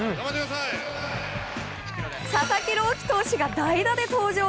佐々木朗希投手が代打で登場！